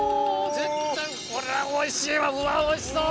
絶対これはおいしいわうわおいしそう！